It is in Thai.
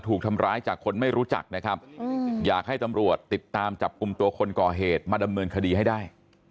ติดตามจับกลุ่มตัวคนก่อเหตุมาดำเนินคดีให้ได้